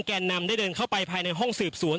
แก่นนำได้เดินเข้าไปภายในห้องสืบสวน